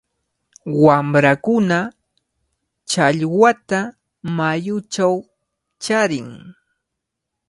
Wamrakuna challwata mayuchaw charin.